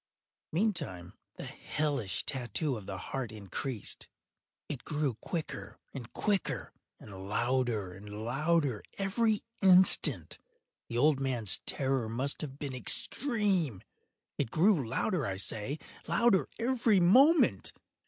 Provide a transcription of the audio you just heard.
Meantime the hellish tattoo of the heart increased. It grew quicker and quicker, and louder and louder every instant. The old man’s terror must have been extreme! It grew louder, I say, louder every moment!